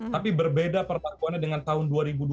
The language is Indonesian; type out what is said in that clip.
tapi berbeda perpakuannya dengan tahun dua ribu dua puluh